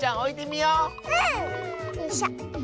よいしょ。